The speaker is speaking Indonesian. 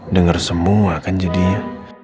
dengar semua kan jadinya